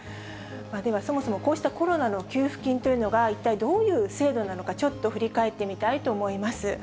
では、そもそもこうしたコロナの給付金というのが、一体どういう制度なのか、ちょっと振り返ってみたいと思います。